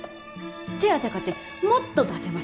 手当かてもっと出せます。